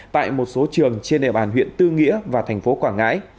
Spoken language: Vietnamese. tại một số trường trên địa bàn huyện tư nghĩa và tp quảng ngãi